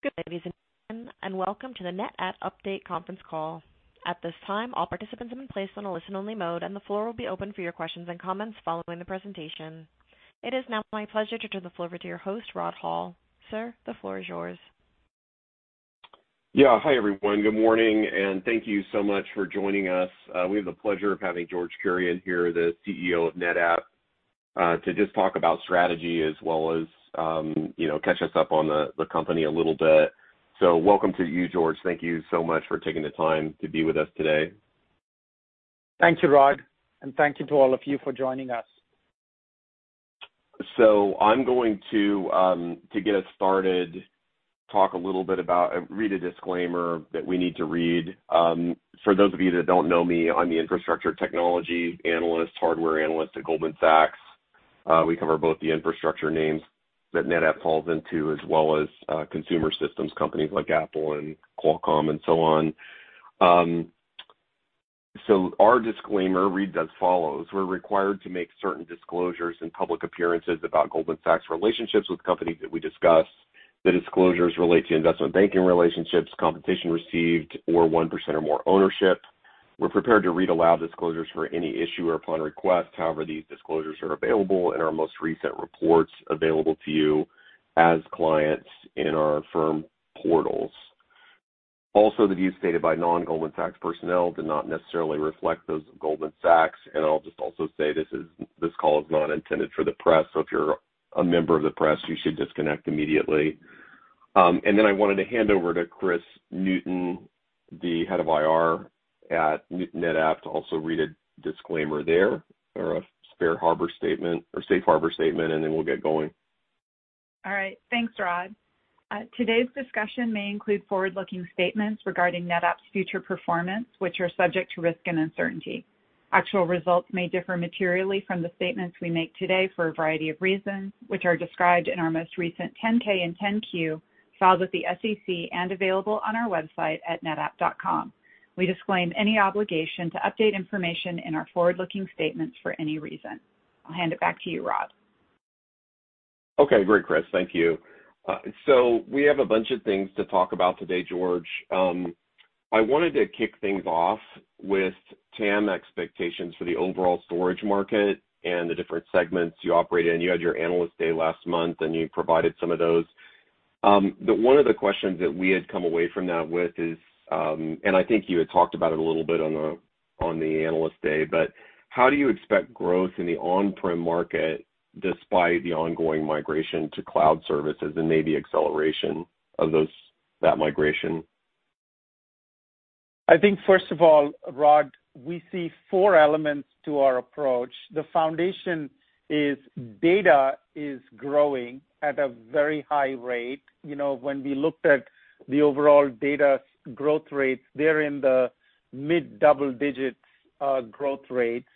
Good evening and welcome to the NetApp Update conference call. At this time, all participants have been placed on a listen-only mode, and the floor will be open for your questions and comments following the presentation. It is now my pleasure to turn the floor over to your host, Rod Hall. Sir, the floor is yours. Yeah, hi everyone. Good morning, and thank you so much for joining us. We have the pleasure of having George Kurian here, the CEO of NetApp, to just talk about strategy as well as, you know, catch us up on the company a little bit. Welcome to you, George. Thank you so much for taking the time to be with us today. Thank you, Rod, and thank you to all of you for joining us. I'm going to get us started, talk a little bit about, read a disclaimer that we need to read. For those of you that don't know me, I'm the infrastructure technology analyst, hardware analyst at Goldman Sachs. We cover both the infrastructure names that NetApp falls into as well as consumer systems companies like Apple and Qualcomm and so on. Our disclaimer reads as follows: We're required to make certain disclosures in public appearances about Goldman Sachs' relationships with companies that we discuss. The disclosures relate to investment banking relationships, compensation received, or 1% or more ownership. We're prepared to read aloud disclosures for any issue or upon request. However, these disclosures are available in our most recent reports available to you as clients in our firm portals. Also, the views stated by non-Goldman Sachs personnel do not necessarily reflect those of Goldman Sachs. I'll just also say this call is not intended for the press, so if you're a member of the press, you should disconnect immediately. I wanted to hand over to Kris Newton, the head of IR at NetApp, to also read a disclaimer there or a safe harbor statement, and then we'll get going. All right. Thanks, Rod. Today's discussion may include forward-looking statements regarding NetApp's future performance, which are subject to risk and uncertainty. Actual results may differ materially from the statements we make today for a variety of reasons, which are described in our most recent 10-K and 10-Q filed with the SEC and available on our website at netapp.com. We disclaim any obligation to update information in our forward-looking statements for any reason. I'll hand it back to you, Rod. Okay. Great, Kris. Thank you. We have a bunch of things to talk about today, George. I wanted to kick things off with TAM expectations for the overall storage market and the different segments you operate in. You had your analyst day last month, and you provided some of those. One of the questions that we had come away from that with is, and I think you had talked about it a little bit on the analyst day, how do you expect growth in the on-prem market despite the ongoing migration to cloud services and maybe acceleration of that migration? I think, first of all, Rod, we see four elements to our approach. The foundation is data is growing at a very high rate. You know, when we looked at the overall data growth rates, they're in the mid-double digits, growth rates.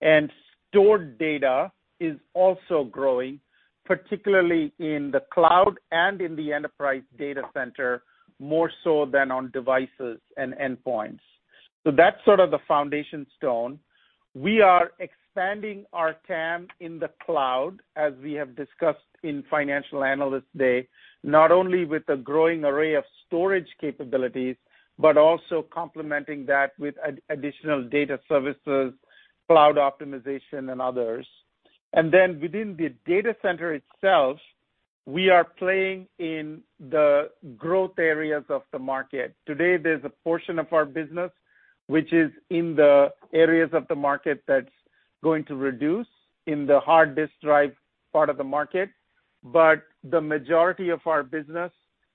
And stored data is also growing, particularly in the cloud and in the enterprise data center, more so than on devices and endpoints. That is sort of the foundation stone. We are expanding our TAM in the cloud, as we have discussed in financial analyst day, not only with a growing array of storage capabilities, but also complementing that with additional data services, cloud optimization, and others. Within the data center itself, we are playing in the growth areas of the market. Today, there's a portion of our business which is in the areas of the market that's going to reduce in the hard disk drive part of the market, but the majority of our business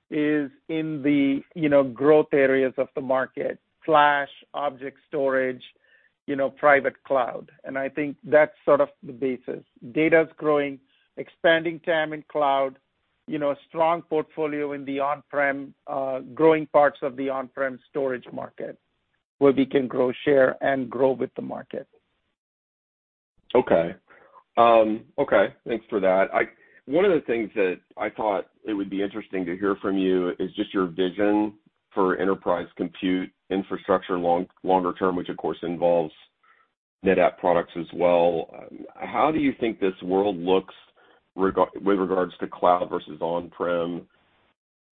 is in the, you know, growth areas of the market: flash, object storage, you know, private cloud. I think that's sort of the basis. Data's growing, expanding TAM in cloud, you know, a strong portfolio in the on-prem, growing parts of the on-prem storage market where we can grow share and grow with the market. Okay. Thanks for that. One of the things that I thought it would be interesting to hear from you is just your vision for enterprise compute infrastructure long, longer term, which of course involves NetApp products as well. How do you think this world looks with regards to cloud versus on-prem,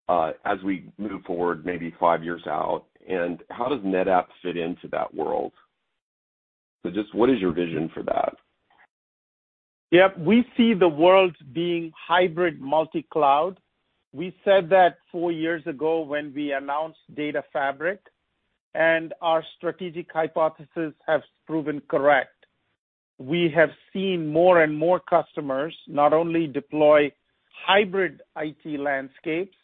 as we move forward maybe five years out? How does NetApp fit into that world? Just what is your vision for that? Yep. We see the world being hybrid multi-cloud. We said that four years ago when we announced Data Fabric, and our strategic hypothesis has proven correct. We have seen more and more customers not only deploy hybrid IT landscapes,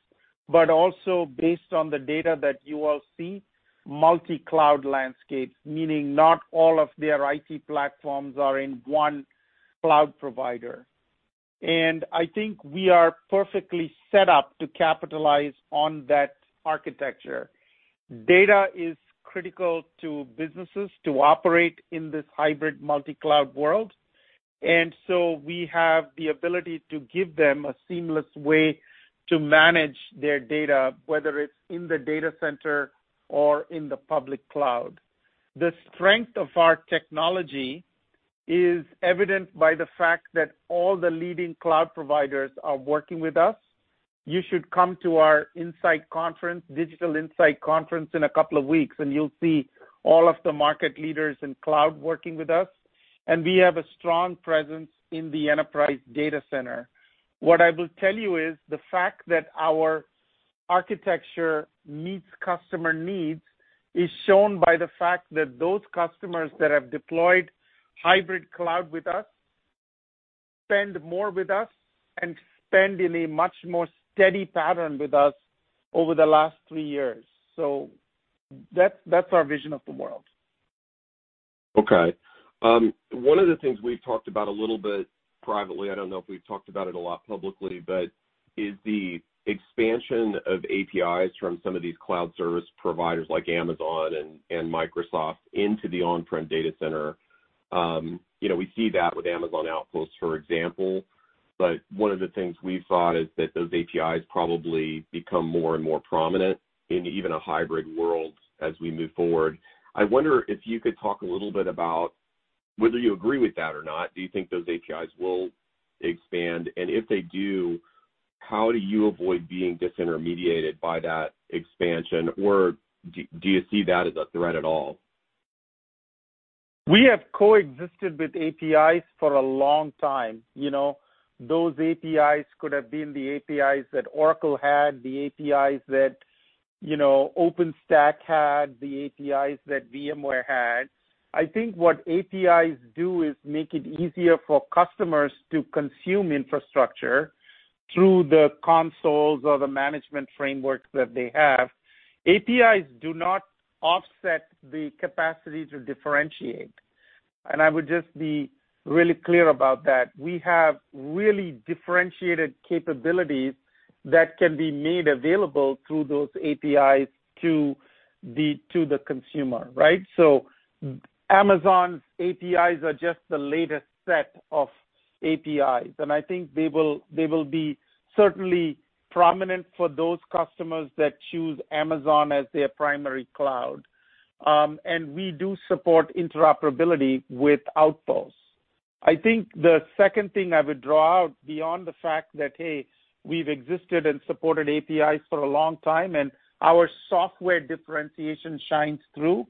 but also based on the data that you all see, multi-cloud landscapes, meaning not all of their IT platforms are in one cloud provider. I think we are perfectly set up to capitalize on that architecture. Data is critical to businesses to operate in this hybrid multi-cloud world. We have the ability to give them a seamless way to manage their data, whether it's in the data center or in the public cloud. The strength of our technology is evident by the fact that all the leading cloud providers are working with us. You should come to our Insight Conference, Digital Insight Conference, in a couple of weeks, and you'll see all of the market leaders in cloud working with us. We have a strong presence in the enterprise data center. What I will tell you is the fact that our architecture meets customer needs is shown by the fact that those customers that have deployed hybrid cloud with us spend more with us and spend in a much more steady pattern with us over the last three years. That's our vision of the world. Okay. One of the things we've talked about a little bit privately, I don't know if we've talked about it a lot publicly, but is the expansion of APIs from some of these cloud service providers like Amazon and Microsoft into the on-prem data center. You know, we see that with Amazon Outposts, for example, but one of the things we've thought is that those APIs probably become more and more prominent in even a hybrid world as we move forward. I wonder if you could talk a little bit about whether you agree with that or not. Do you think those APIs will expand? And if they do, how do you avoid being disintermediated by that expansion, or do you see that as a threat at all? We have coexisted with APIs for a long time. You know, those APIs could have been the APIs that Oracle had, the APIs that, you know, OpenStack had, the APIs that VMware had. I think what APIs do is make it easier for customers to consume infrastructure through the consoles or the management framework that they have. APIs do not offset the capacity to differentiate. I would just be really clear about that. We have really differentiated capabilities that can be made available through those APIs to the consumer, right? Amazon's APIs are just the latest set of APIs. I think they will be certainly prominent for those customers that choose Amazon as their primary cloud. We do support interoperability with Outposts. I think the second thing I would draw out beyond the fact that, hey, we've existed and supported APIs for a long time, and our software differentiation shines through,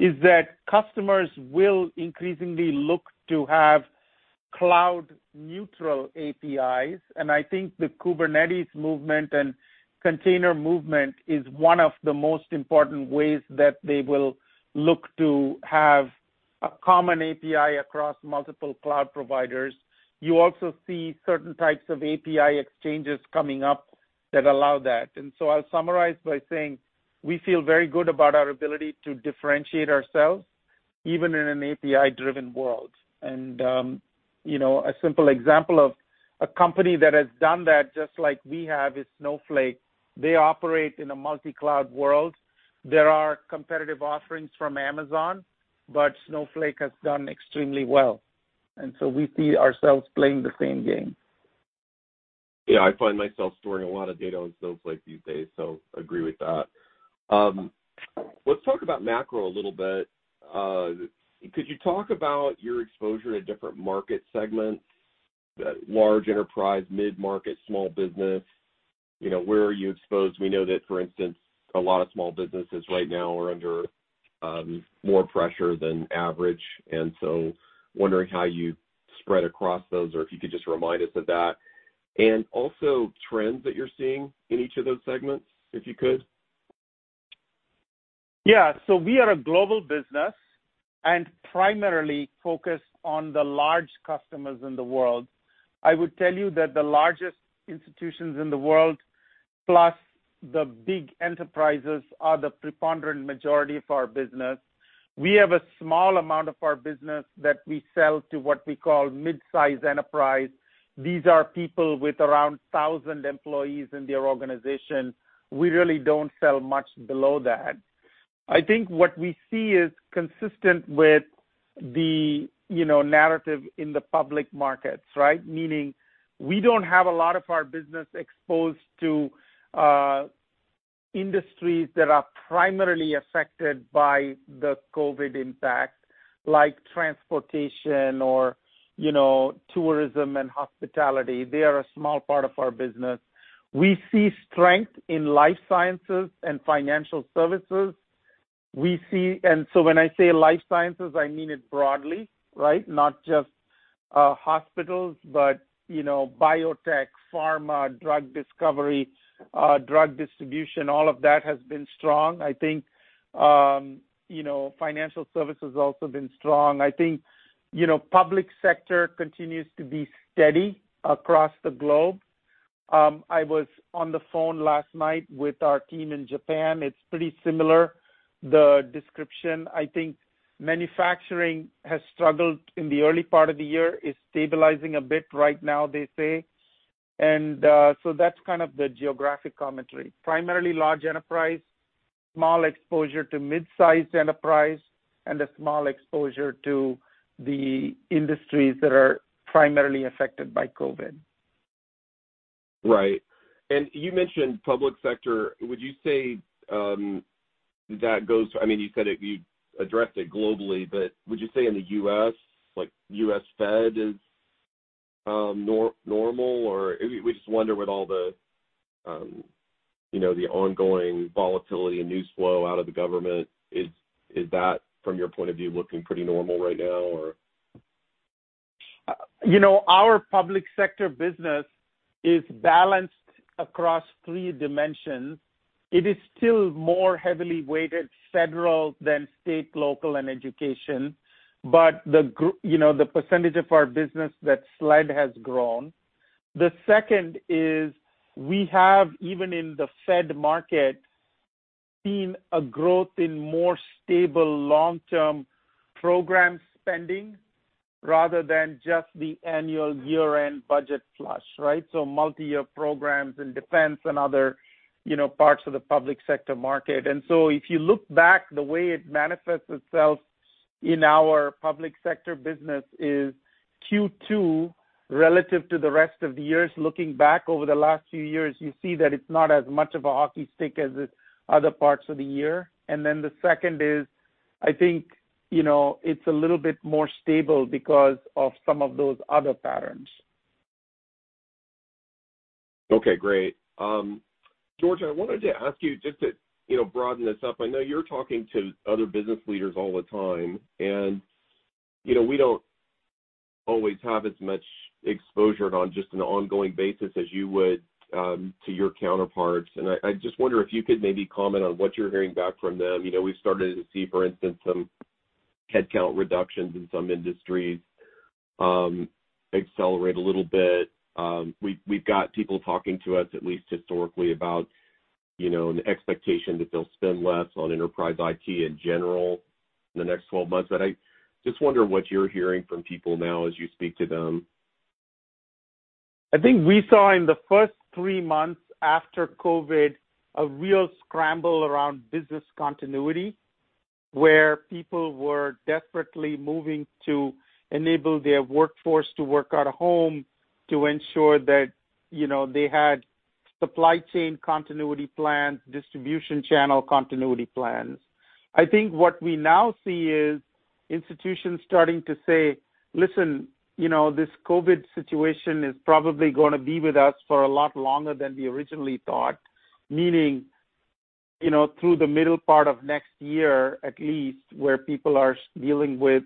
is that customers will increasingly look to have cloud-neutral APIs. I think the Kubernetes movement and container movement is one of the most important ways that they will look to have a common API across multiple cloud providers. You also see certain types of API exchanges coming up that allow that. I will summarize by saying we feel very good about our ability to differentiate ourselves even in an API-driven world. You know, a simple example of a company that has done that just like we have is Snowflake. They operate in a multi-cloud world. There are competitive offerings from Amazon, but Snowflake has done extremely well. We see ourselves playing the same game. Yeah. I find myself storing a lot of data on Snowflake these days, so agree with that. Let's talk about macro a little bit. Could you talk about your exposure to different market segments? Large enterprise, mid-market, small business, you know, where are you exposed? We know that, for instance, a lot of small businesses right now are under more pressure than average. I am wondering how you spread across those or if you could just remind us of that. Also, trends that you're seeing in each of those segments, if you could. Yeah. We are a global business and primarily focused on the large customers in the world. I would tell you that the largest institutions in the world, plus the big enterprises, are the preponderant majority of our business. We have a small amount of our business that we sell to what we call mid-size enterprise. These are people with around 1,000 employees in their organization. We really do not sell much below that. I think what we see is consistent with the, you know, narrative in the public markets, right? Meaning we do not have a lot of our business exposed to industries that are primarily affected by the COVID impact, like transportation or, you know, tourism and hospitality. They are a small part of our business. We see strength in life sciences and financial services. We see, and so when I say life sciences, I mean it broadly, right? Not just, hospitals, but, you know, biotech, pharma, drug discovery, drug distribution. All of that has been strong. I think, you know, financial services also been strong. I think, you know, public sector continues to be steady across the globe. I was on the phone last night with our team in Japan. It's pretty similar, the description. I think manufacturing has struggled in the early part of the year, is stabilizing a bit right now, they say. That's kind of the geographic commentary. Primarily large enterprise, small exposure to mid-sized enterprise, and a small exposure to the industries that are primarily affected by COVID. Right. And you mentioned public sector. Would you say, that goes, I mean, you said it, you addressed it globally, but would you say in the U.S., like U.S. Fed is normal or we just wonder with all the, you know, the ongoing volatility and news flow out of the government, is that, from your point of view, looking pretty normal right now or? You know, our public sector business is balanced across three dimensions. It is still more heavily weighted federal than state, local, and education. The percentage of our business that's slid has grown. The second is we have, even in the Fed market, seen a growth in more stable long-term program spending rather than just the annual year-end budget flush, right? Multi-year programs in defense and other, you know, parts of the public sector market. If you look back, the way it manifests itself in our public sector business is Q2 relative to the rest of the years. Looking back over the last few years, you see that it's not as much of a hockey stick as it other parts of the year. The second is, I think, you know, it's a little bit more stable because of some of those other patterns. Okay. Great. George, I wanted to ask you just to, you know, broaden this up. I know you're talking to other business leaders all the time. You know, we don't always have as much exposure on just an ongoing basis as you would, to your counterparts. I just wonder if you could maybe comment on what you're hearing back from them. You know, we've started to see, for instance, some headcount reductions in some industries, accelerate a little bit. We've got people talking to us, at least historically, about, you know, an expectation that they'll spend less on enterprise IT in general in the next 12 months. I just wonder what you're hearing from people now as you speak to them. I think we saw in the first three months after COVID a real scramble around business continuity where people were desperately moving to enable their workforce to work at home to ensure that, you know, they had supply chain continuity plans, distribution channel continuity plans. I think what we now see is institutions starting to say, "Listen, you know, this COVID situation is probably going to be with us for a lot longer than we originally thought," meaning, you know, through the middle part of next year at least, where people are dealing with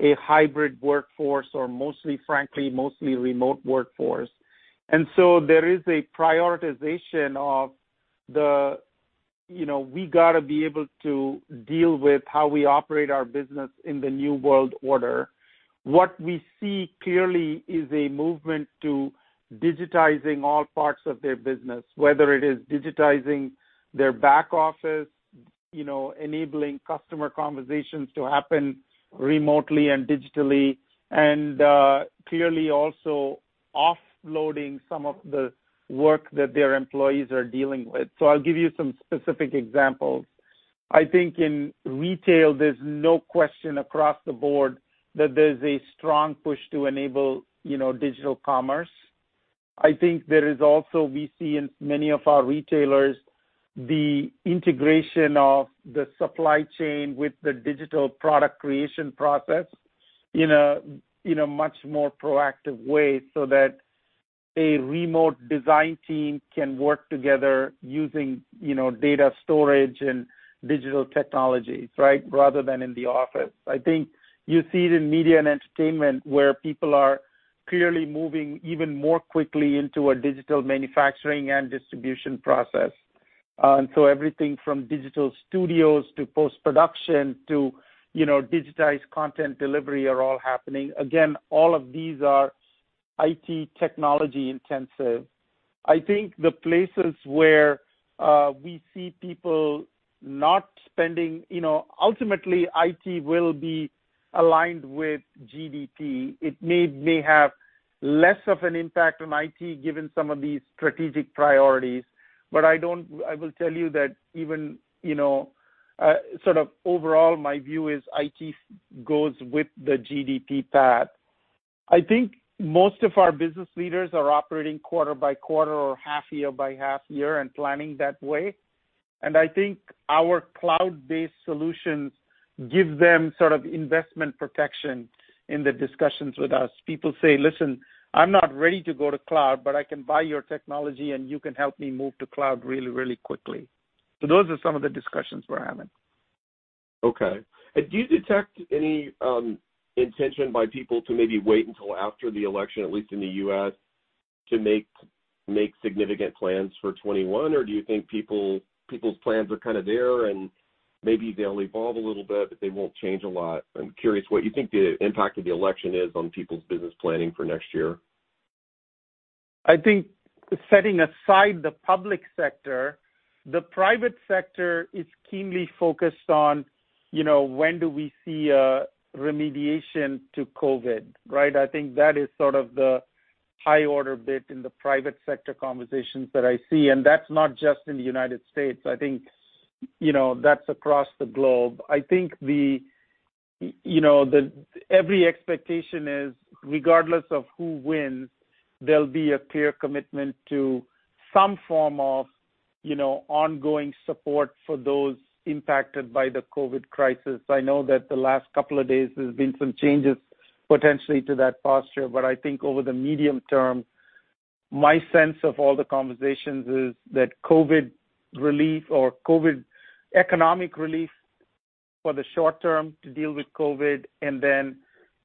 a hybrid workforce or mostly, frankly, mostly remote workforce. There is a prioritization of the, you know, we got to be able to deal with how we operate our business in the new world order. What we see clearly is a movement to digitizing all parts of their business, whether it is digitizing their back office, you know, enabling customer conversations to happen remotely and digitally, and, clearly also offloading some of the work that their employees are dealing with. I'll give you some specific examples. I think in retail, there's no question across the board that there's a strong push to enable, you know, digital commerce. I think there is also we see in many of our retailers the integration of the supply chain with the digital product creation process in a, you know, much more proactive way so that a remote design team can work together using, you know, data storage and digital technologies, right, rather than in the office. I think you see it in media and entertainment where people are clearly moving even more quickly into a digital manufacturing and distribution process. Everything from digital studios to post-production to, you know, digitized content delivery are all happening. Again, all of these are IT technology intensive. I think the places where we see people not spending, you know, ultimately IT will be aligned with GDP. It may have less of an impact on IT given some of these strategic priorities. I do not, I will tell you that even, you know, sort of overall, my view is IT goes with the GDP path. I think most of our business leaders are operating quarter by quarter or half year by half year and planning that way. I think our cloud-based solutions give them sort of investment protection in the discussions with us. People say, "Listen, I'm not ready to go to cloud, but I can buy your technology, and you can help me move to cloud really, really quickly." Those are some of the discussions we're having. Okay. Do you detect any intention by people to maybe wait until after the election, at least in the U.S., to make significant plans for 2021, or do you think people's plans are kind of there and maybe they'll evolve a little bit, but they won't change a lot? I'm curious what you think the impact of the election is on people's business planning for next year. I think setting aside the public sector, the private sector is keenly focused on, you know, when do we see a remediation to COVID, right? I think that is sort of the high-order bit in the private sector conversations that I see. That is not just in the United States. I think, you know, that is across the globe. I think the, you know, every expectation is, regardless of who wins, there will be a clear commitment to some form of, you know, ongoing support for those impacted by the COVID crisis. I know that the last couple of days there has been some changes potentially to that posture. I think over the medium term, my sense of all the conversations is that COVID relief or COVID economic relief for the short term to deal with COVID and then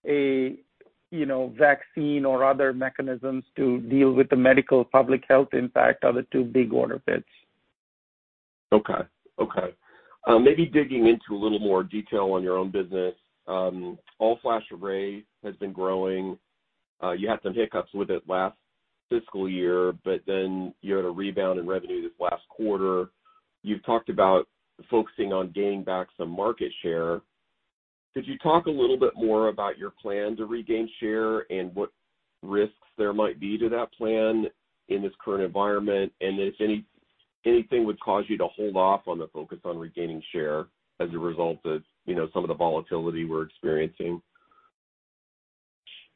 a, you know, vaccine or other mechanisms to deal with the medical public health impact are the two big order bits. Okay. Okay. Maybe digging into a little more detail on your own business. All Flash Array has been growing. You had some hiccups with it last fiscal year, but then you had a rebound in revenue this last quarter. You've talked about focusing on gaining back some market share. Could you talk a little bit more about your plan to regain share and what risks there might be to that plan in this current environment and if any, anything would cause you to hold off on the focus on regaining share as a result of, you know, some of the volatility we're experiencing?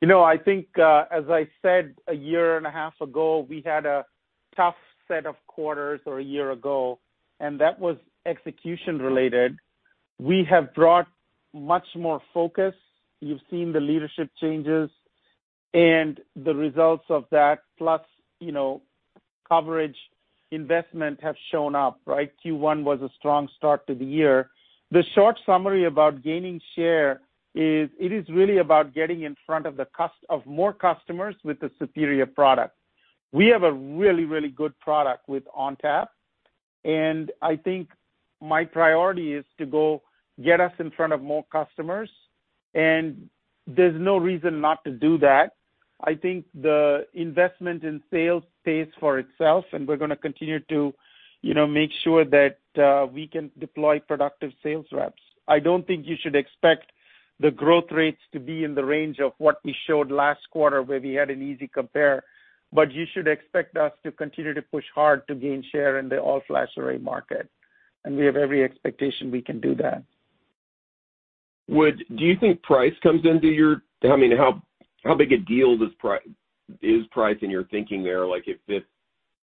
You know, I think, as I said a year and a half ago, we had a tough set of quarters or a year ago, and that was execution-related. We have brought much more focus. You've seen the leadership changes and the results of that, plus, you know, coverage investment have shown up, right? Q1 was a strong start to the year. The short summary about gaining share is it is really about getting in front of the cust of more customers with the superior product. We have a really, really good product with ONTAP. I think my priority is to go get us in front of more customers. There is no reason not to do that. I think the investment in sales pays for itself, and we're going to continue to, you know, make sure that we can deploy productive sales reps. I don't think you should expect the growth rates to be in the range of what we showed last quarter where we had an easy compare. You should expect us to continue to push hard to gain share in the All Flash Array market. We have every expectation we can do that. Do you think price comes into your, I mean, how big a deal is price in your thinking there? Like if,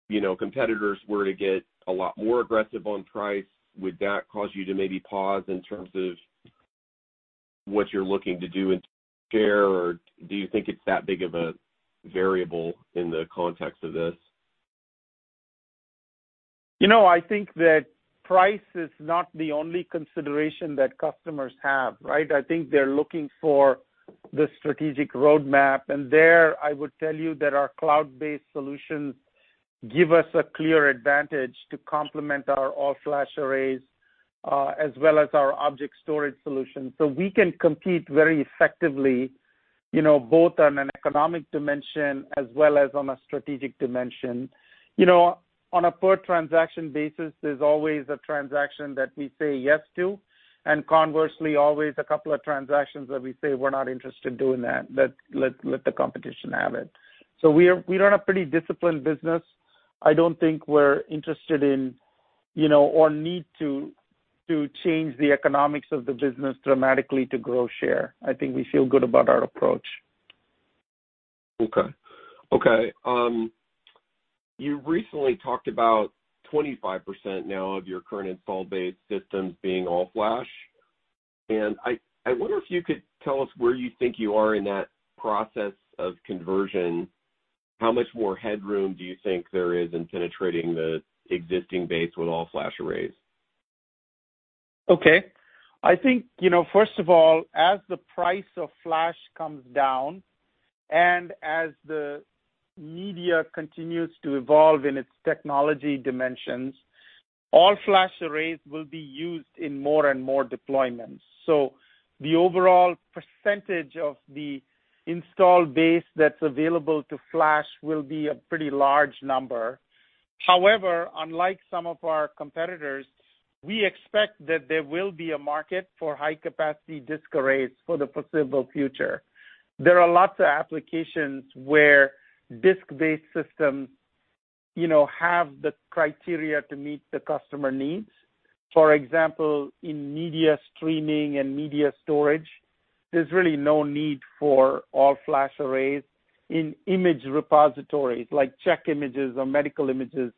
you know, competitors were to get a lot more aggressive on price, would that cause you to maybe pause in terms of what you're looking to do in share, or do you think it's that big of a variable in the context of this? You know, I think that price is not the only consideration that customers have, right? I think they're looking for the strategic roadmap. I would tell you that our cloud-based solutions give us a clear advantage to complement our All Flash Arrays, as well as our object storage solutions. We can compete very effectively, you know, both on an economic dimension as well as on a strategic dimension. You know, on a per-transaction basis, there's always a transaction that we say yes to. Conversely, always a couple of transactions that we say, "We're not interested in doing that. Let's, let's, let the competition have it." We're, we run a pretty disciplined business. I don't think we're interested in, you know, or need to, to change the economics of the business dramatically to grow share. I think we feel good about our approach. Okay. You recently talked about 25% now of your current installed base systems being All Flash. I wonder if you could tell us where you think you are in that process of conversion. How much more headroom do you think there is in penetrating the existing base with All Flash Arrays? Okay. I think, you know, first of all, as the price of Flash comes down and as the media continues to evolve in its technology dimensions, All Flash Arrays will be used in more and more deployments. The overall percentage of the installed base that's available to Flash will be a pretty large number. However, unlike some of our competitors, we expect that there will be a market for high-capacity disk arrays for the foreseeable future. There are lots of applications where disk-based systems, you know, have the criteria to meet the customer needs. For example, in media streaming and media storage, there's really no need for All Flash Arrays in image repositories like check images or medical images.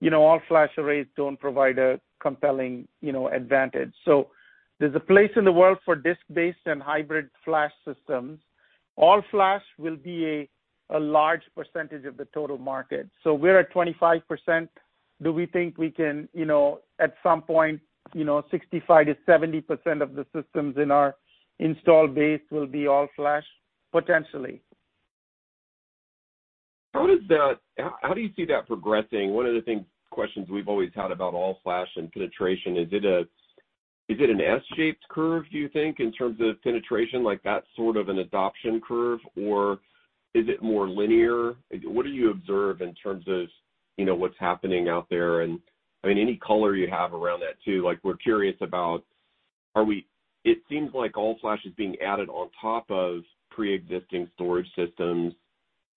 You know, All Flash Arrays don't provide a compelling, you know, advantage. There is a place in the world for disk-based and hybrid Flash systems. All Flash will be a large percentage of the total market. We're at 25%. Do we think we can, you know, at some point, you know, 65-70% of the systems in our installed base will be All Flash potentially? How does that, how do you see that progressing? One of the things, questions we've always had about All Flash and penetration, is it a, is it an S-shaped curve, do you think, in terms of penetration, like that sort of an adoption curve, or is it more linear? What do you observe in terms of, you know, what's happening out there? I mean, any color you have around that too. Like we're curious about, are we, it seems like All Flash is being added on top of pre-existing storage systems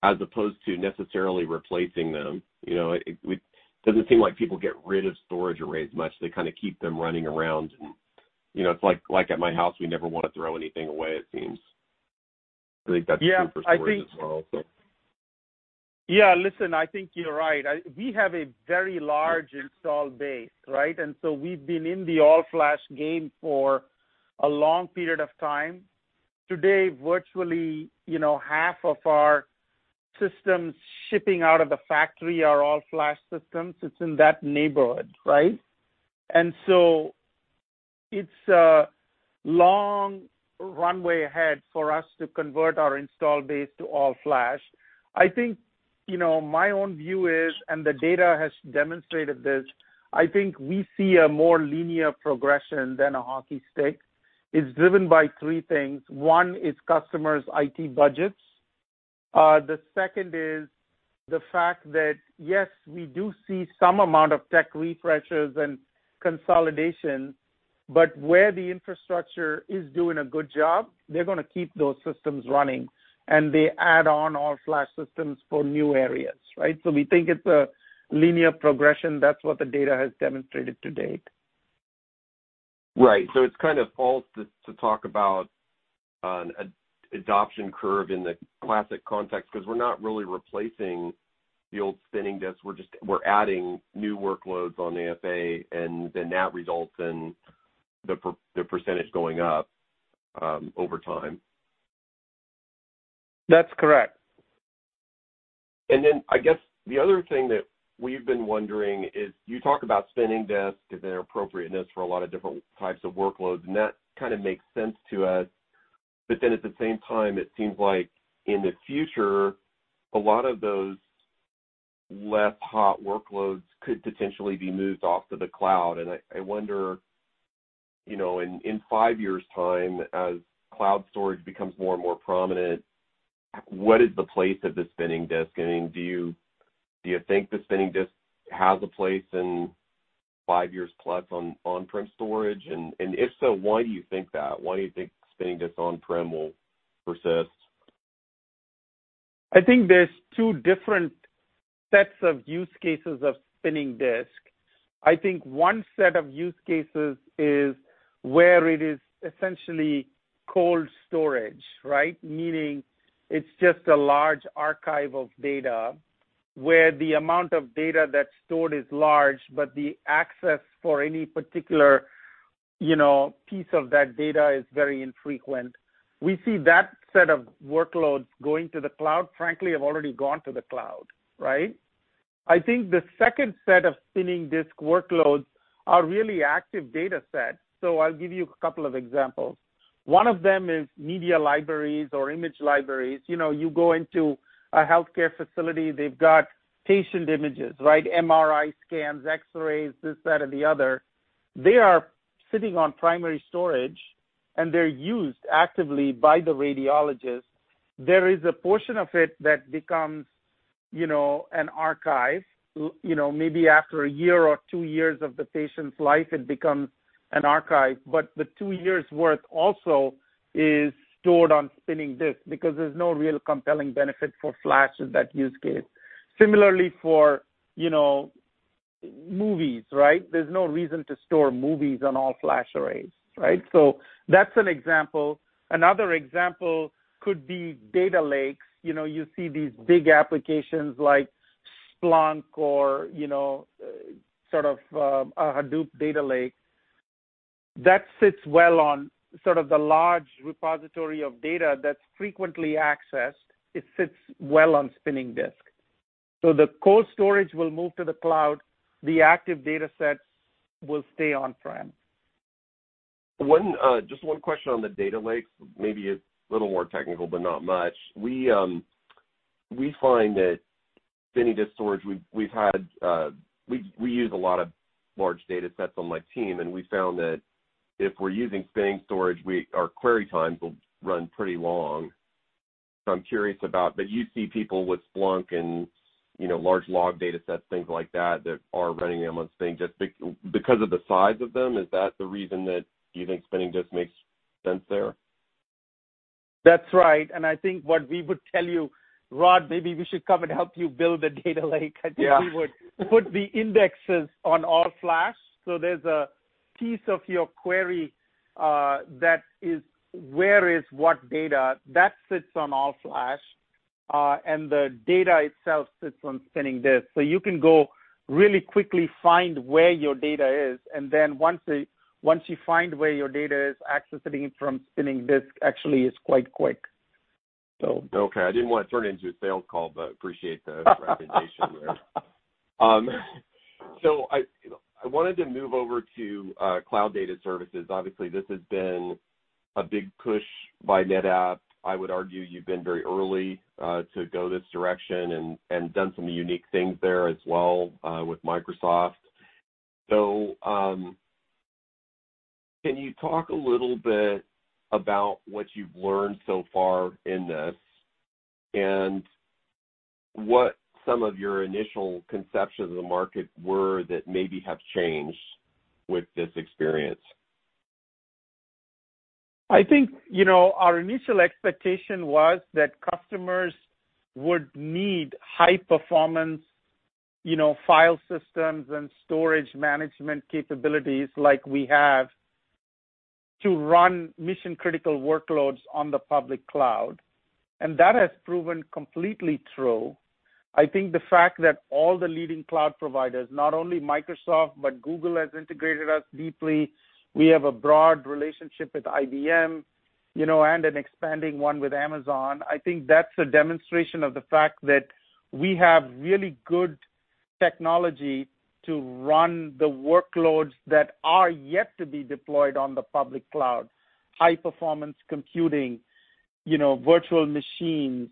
as opposed to necessarily replacing them. You know, it doesn't seem like people get rid of storage arrays much. They kind of keep them running around. You know, it's like, like at my house, we never want to throw anything away, it seems. I think that's true for storage as well. Yeah. I think yeah, listen, I think you're right. We have a very large installed base, right? And so we've been in the All Flash game for a long period of time. Today, virtually, you know, half of our systems shipping out of the factory are All Flash systems. It's in that neighborhood, right? And so it's a long runway ahead for us to convert our installed base to All Flash. I think, you know, my own view is, and the data has demonstrated this, I think we see a more linear progression than a hockey stick. It's driven by three things. One is customers' IT budgets. The second is the fact that, yes, we do see some amount of tech refreshes and consolidation, but where the infrastructure is doing a good job, they're going to keep those systems running. They add on All Flash systems for new areas, right? We think it's a linear progression. That's what the data has demonstrated to date. Right. It's kind of false to talk about an adoption curve in the classic context because we're not really replacing the old spinning disks. We're just adding new workloads on AFA, and then that results in the percentage going up over time. That's correct. I guess the other thing that we've been wondering is you talk about spinning disks and their appropriateness for a lot of different types of workloads. That kind of makes sense to us. At the same time, it seems like in the future, a lot of those less hot workloads could potentially be moved off to the cloud. I wonder, you know, in five years' time, as cloud storage becomes more and more prominent, what is the place of the spinning disk? I mean, do you think the spinning disk has a place in five years plus on on-prem storage? If so, why do you think that? Why do you think spinning disk on-prem will persist? I think there's two different sets of use cases of spinning disk. I think one set of use cases is where it is essentially cold storage, right? Meaning it's just a large archive of data where the amount of data that's stored is large, but the access for any particular, you know, piece of that data is very infrequent. We see that set of workloads going to the cloud, frankly, have already gone to the cloud, right? I think the second set of spinning disk workloads are really active data sets. I'll give you a couple of examples. One of them is media libraries or image libraries. You know, you go into a healthcare facility. They've got patient images, right? MRI scans, X-rays, this, that, and the other. They are sitting on primary storage, and they're used actively by the radiologist. There is a portion of it that becomes, you know, an archive. You know, maybe after a year or two years of the patient's life, it becomes an archive. But the two years' worth also is stored on spinning disk because there's no real compelling benefit for Flash in that use case. Similarly for, you know, movies, right? There's no reason to store movies on All Flash Arrays, right? That's an example. Another example could be data lakes. You know, you see these big applications like Splunk or, you know, sort of, a Hadoop data lake. That sits well on sort of the large repository of data that's frequently accessed. It sits well on spinning disk. The cold storage will move to the cloud. The active data sets will stay on-prem. One, just one question on the data lakes, maybe a little more technical but not much. We find that spinning disk storage, we've had, we use a lot of large data sets on my team, and we found that if we're using spinning storage, our query times will run pretty long. I'm curious about, you see people with Splunk and, you know, large log data sets, things like that, that are running them on spinning disk because of the size of them. Is that the reason that you think spinning disk makes sense there? That's right. I think what we would tell you, Rod, maybe we should come and help you build the data lake. Yeah. I think we would put the indexes on All Flash. So there's a piece of your query, that is where is what data? That sits on All Flash. The data itself sits on spinning disk. You can go really quickly find where your data is. Once you find where your data is, accessing it from spinning disk actually is quite quick. Okay. I did not want to turn into a sales call, but appreciate the recommendation there. I wanted to move over to cloud data services. Obviously, this has been a big push by NetApp. I would argue you have been very early to go this direction and done some unique things there as well with Microsoft. Can you talk a little bit about what you have learned so far in this and what some of your initial conceptions of the market were that maybe have changed with this experience? I think, you know, our initial expectation was that customers would need high-performance, you know, file systems and storage management capabilities like we have to run mission-critical workloads on the public cloud. That has proven completely true. I think the fact that all the leading cloud providers, not only Microsoft, but Google has integrated us deeply. We have a broad relationship with IBM, you know, and an expanding one with Amazon. I think that is a demonstration of the fact that we have really good technology to run the workloads that are yet to be deployed on the public cloud: high-performance computing, you know, virtual machines,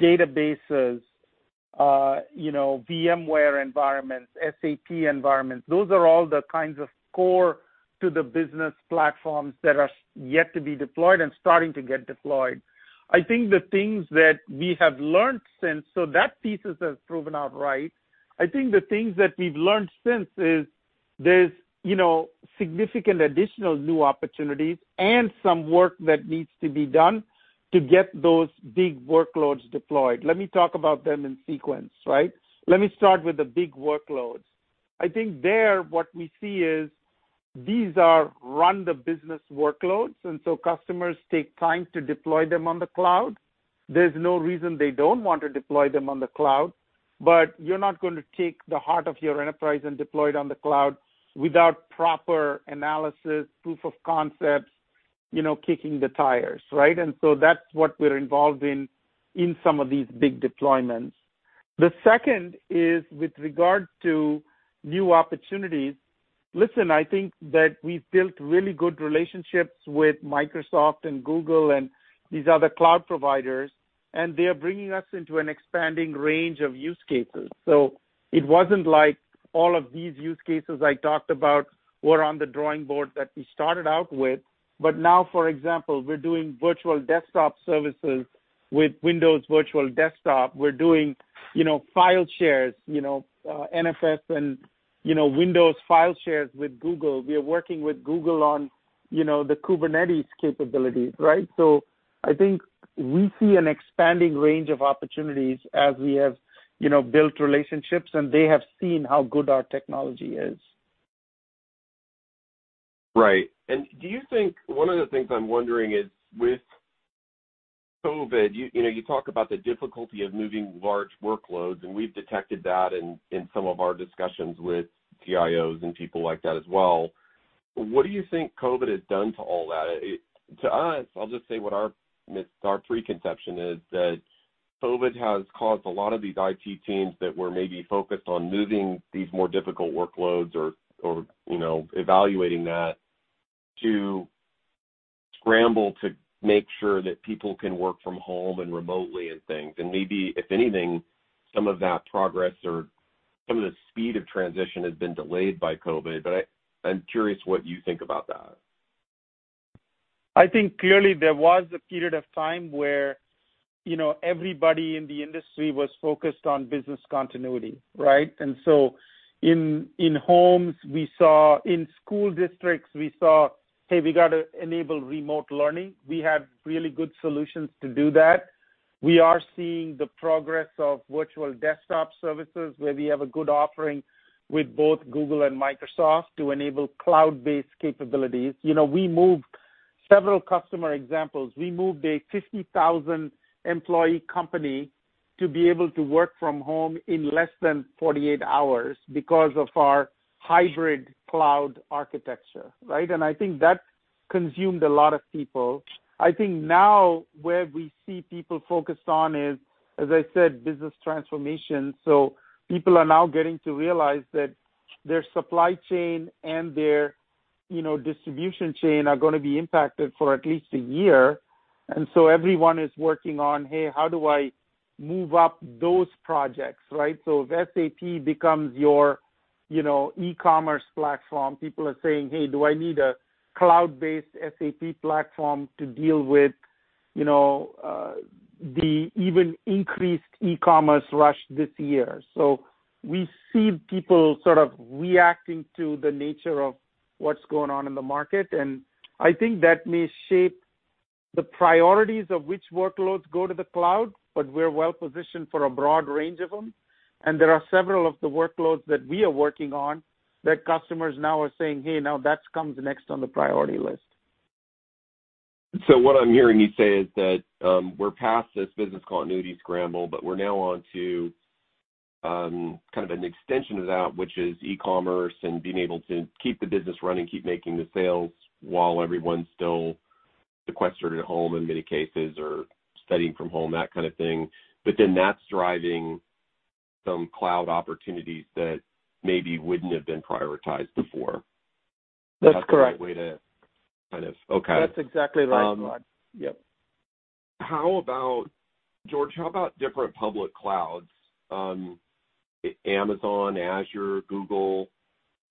databases, you know, VMware environments, SAP environments. Those are all the kinds of core-to-the-business platforms that are yet to be deployed and starting to get deployed. I think the things that we have learned since—that piece has proven out right. I think the things that we've learned since is there's, you know, significant additional new opportunities and some work that needs to be done to get those big workloads deployed. Let me talk about them in sequence, right? Let me start with the big workloads. I think there what we see is these are run-the-business workloads. And so customers take time to deploy them on the cloud. There's no reason they don't want to deploy them on the cloud. You're not going to take the heart of your enterprise and deploy it on the cloud without proper analysis, proof of concepts, you know, kicking the tires, right? That's what we're involved in, in some of these big deployments. The second is with regard to new opportunities. Listen, I think that we've built really good relationships with Microsoft and Google and these other cloud providers, and they are bringing us into an expanding range of use cases. It wasn't like all of these use cases I talked about were on the drawing board that we started out with. For example, we're doing virtual desktop services with Windows Virtual Desktop. We're doing, you know, file shares, you know, NFS and, you know, Windows file shares with Google. We are working with Google on, you know, the Kubernetes capabilities, right? I think we see an expanding range of opportunities as we have, you know, built relationships, and they have seen how good our technology is. Right. Do you think one of the things I'm wondering is with COVID, you know, you talk about the difficulty of moving large workloads, and we've detected that in some of our discussions with CIOs and people like that as well. What do you think COVID has done to all that? To us, I'll just say what our preconception is that COVID has caused a lot of these IT teams that were maybe focused on moving these more difficult workloads or, you know, evaluating that to scramble to make sure that people can work from home and remotely and things. Maybe, if anything, some of that progress or some of the speed of transition has been delayed by COVID. I'm curious what you think about that. I think clearly there was a period of time where, you know, everybody in the industry was focused on business continuity, right? In homes, we saw in school districts, we saw, "Hey, we got to enable remote learning." We have really good solutions to do that. We are seeing the progress of virtual desktop services where we have a good offering with both Google and Microsoft to enable cloud-based capabilities. You know, we moved several customer examples. We moved a 50,000-employee company to be able to work from home in less than 48 hours because of our hybrid cloud architecture, right? I think that consumed a lot of people. I think now where we see people focused on is, as I said, business transformation. People are now getting to realize that their supply chain and their, you know, distribution chain are going to be impacted for at least a year. Everyone is working on, "Hey, how do I move up those projects," right? If SAP becomes your, you know, e-commerce platform, people are saying, "Hey, do I need a cloud-based SAP platform to deal with, you know, the even increased e-commerce rush this year?" We see people sort of reacting to the nature of what's going on in the market. I think that may shape the priorities of which workloads go to the cloud, but we're well-positioned for a broad range of them. There are several of the workloads that we are working on that customers now are saying, "Hey, now that comes next on the priority list. What I'm hearing you say is that we're past this business continuity scramble, but we're now on to kind of an extension of that, which is e-commerce and being able to keep the business running, keep making the sales while everyone's still sequestered at home in many cases or studying from home, that kind of thing. Then that's driving some cloud opportunities that maybe wouldn't have been prioritized before. That's correct. Is that a way to kind of, okay. That's exactly right, Rod. Yep. How about, George, how about different public clouds, Amazon, Azure, Google?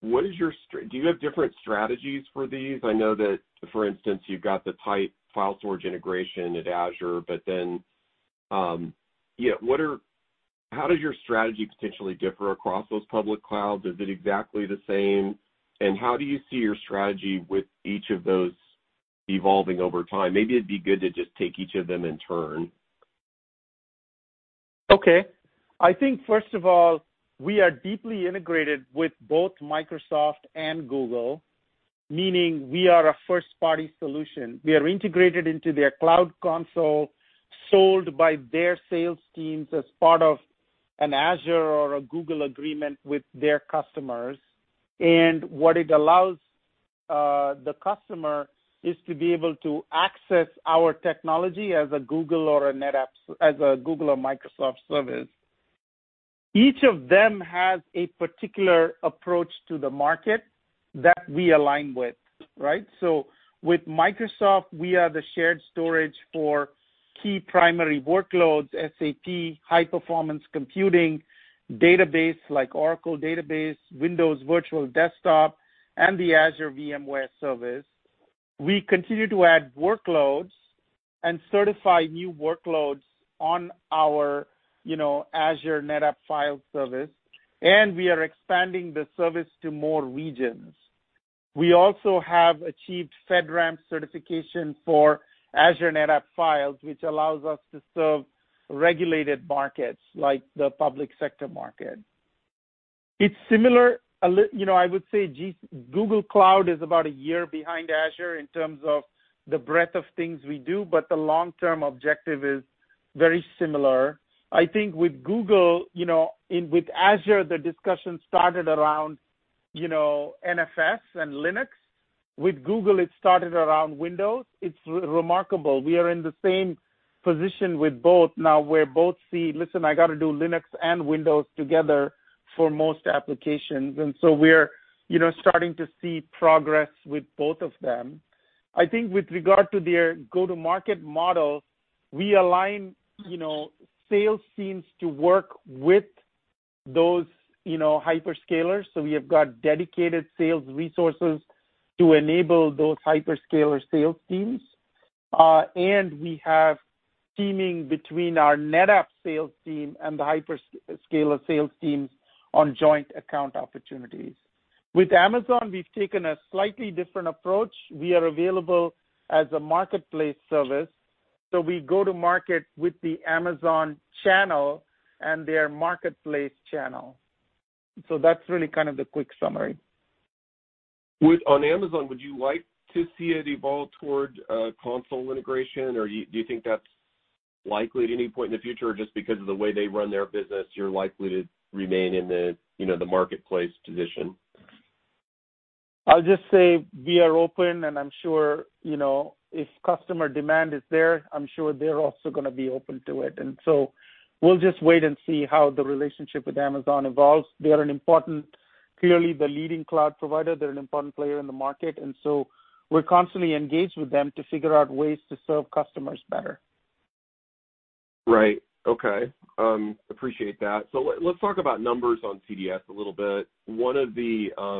What is your, do you have different strategies for these? I know that, for instance, you've got the tight file storage integration at Azure, but then, yeah, what are, how does your strategy potentially differ across those public clouds? Is it exactly the same? How do you see your strategy with each of those evolving over time? Maybe it'd be good to just take each of them in turn. Okay. I think, first of all, we are deeply integrated with both Microsoft and Google, meaning we are a first-party solution. We are integrated into their cloud console sold by their sales teams as part of an Azure or a Google agreement with their customers. What it allows the customer is to be able to access our technology as a Google or a NetApp as a Google or Microsoft service. Each of them has a particular approach to the market that we align with, right? With Microsoft, we are the shared storage for key primary workloads, SAP, high-performance computing, database like Oracle Database, Windows Virtual Desktop, and the Azure VMware service. We continue to add workloads and certify new workloads on our, you know, Azure NetApp file service. We are expanding the service to more regions. We also have achieved FedRAMP certification for Azure NetApp Files, which allows us to serve regulated markets like the public sector market. It's similar, you know, I would say Google Cloud is about a year behind Azure in terms of the breadth of things we do, but the long-term objective is very similar. I think with Google, you know, with Azure, the discussion started around, you know, NFS and Linux. With Google, it started around Windows. It's remarkable. We are in the same position with both now where both see, "Listen, I got to do Linux and Windows together for most applications." We are, you know, starting to see progress with both of them. I think with regard to their go-to-market model, we align, you know, sales teams to work with those, you know, hyperscalers. We have got dedicated sales resources to enable those hyperscaler sales teams, and we have teaming between our NetApp sales team and the hyperscaler sales teams on joint account opportunities. With Amazon, we've taken a slightly different approach. We are available as a marketplace service. We go to market with the Amazon channel and their marketplace channel. That is really kind of the quick summary. With Amazon, would you like to see it evolve toward console integration, or do you think that's likely at any point in the future, or just because of the way they run their business, you're likely to remain in the, you know, the marketplace position? I'll just say we are open, and I'm sure, you know, if customer demand is there, I'm sure they're also going to be open to it. We'll just wait and see how the relationship with Amazon evolves. They are clearly the leading cloud provider. They're an important player in the market. We're constantly engaged with them to figure out ways to serve customers better. Right. Okay. Appreciate that. Let's talk about numbers on CDS a little bit. One of the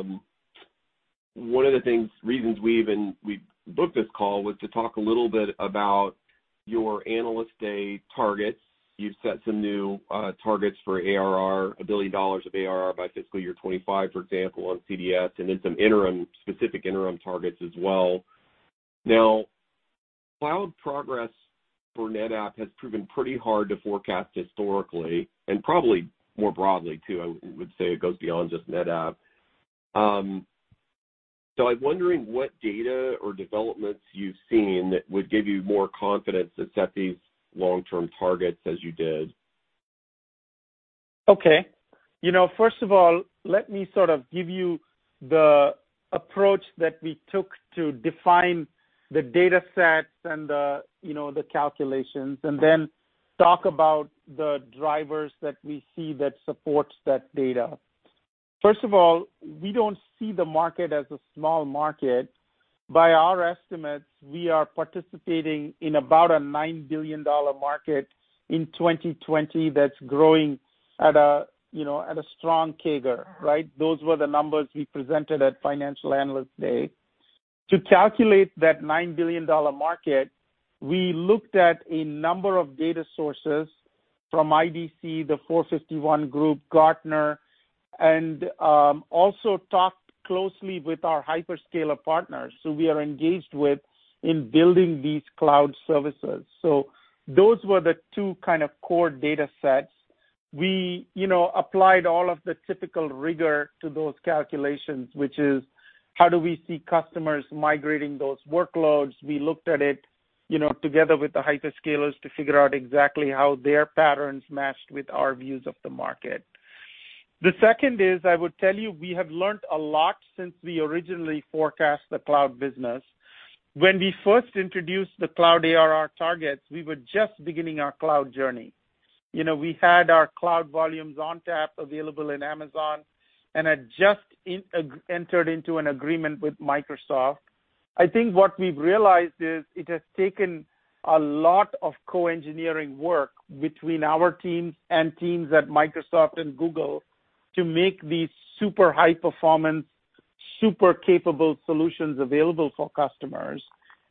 things, reasons we even booked this call was to talk a little bit about your analyst day targets. You've set some new targets for ARR, a billion dollars of ARR by fiscal year 2025, for example, on CDS, and then some specific interim targets as well. Now, cloud progress for NetApp has proven pretty hard to forecast historically and probably more broadly too. I would say it goes beyond just NetApp. I'm wondering what data or developments you've seen that would give you more confidence to set these long-term targets as you did. Okay. You know, first of all, let me sort of give you the approach that we took to define the data sets and the, you know, the calculations, and then talk about the drivers that we see that support that data. First of all, we do not see the market as a small market. By our estimates, we are participating in about a $9 billion market in 2020 that is growing at a, you know, at a strong CAGR, right? Those were the numbers we presented at financial analyst day. To calculate that $9 billion market, we looked at a number of data sources from IDC, the 451 Group, Gartner, and also talked closely with our hyperscaler partners who we are engaged with in building these cloud services. Those were the two kind of core data sets. We, you know, applied all of the typical rigor to those calculations, which is how do we see customers migrating those workloads. We looked at it, you know, together with the hyperscalers to figure out exactly how their patterns matched with our views of the market. The second is, I would tell you, we have learned a lot since we originally forecast the cloud business. When we first introduced the cloud ARR targets, we were just beginning our cloud journey. You know, we had our Cloud Volumes ONTAP available in Amazon and had just entered into an agreement with Microsoft. I think what we've realized is it has taken a lot of co-engineering work between our teams and teams at Microsoft and Google to make these super high-performance, super capable solutions available for customers.